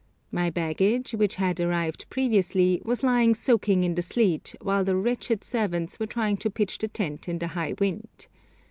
My baggage, which had arrived previously, was lying soaking in the sleet, while the wretched servants were trying to pitch the tent in the high wind.